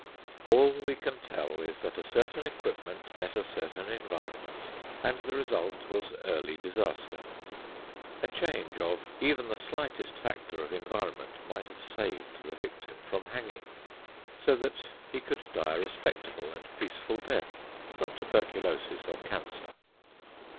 All we can tell is that a certain equipment met a certain environment, and the result was early disaster. A change of even the slightest factor of environment might have saved the victim from hanging, so that he could die a respectable and peaceful death from tuberculosis or cancer.